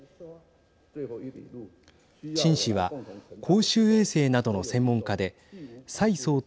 陳氏は公衆衛生などの専門家で蔡総統